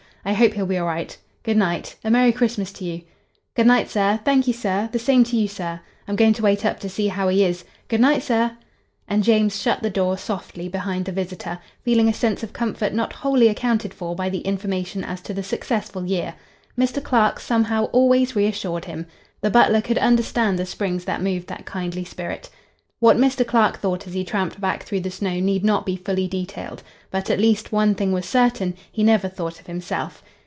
I hope he'll be all right. Good night. A merry Christmas to you." "Good night, sir. Thankee, sir; the same to you, sir. I'm going to wait up to see how he is. Good night, sir." And James shut the door softly behind the visitor, feeling a sense of comfort not wholly accounted for by the information as to the successful year. Mr. Clark, somehow, always reassured him. The butler could understand the springs that moved that kindly spirit. What Mr. Clark thought as he tramped back through the snow need not be fully detailed. But at least, one thing was certain, he never thought of himself.